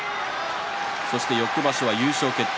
そして翌場所は優勝決定